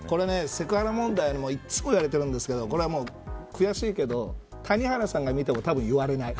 セクハラ問題でいつも言われてるんですけど悔しいけど、谷原さんが見てもたぶん言われない。